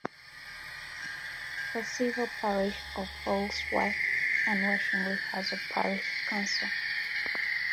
The civil parish of "Folksworth and Washingley" has a parish council.